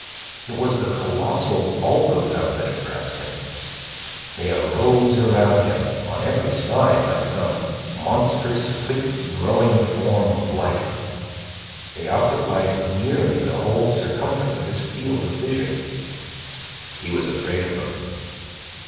It was the colossal bulk of them that impressed him. They arose around him, on every side, like some monstrous quick growing form of life. They occupied nearly the whole circumference of his field of vision. He was afraid of them.